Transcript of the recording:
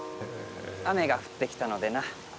雨が降ってきたのでな。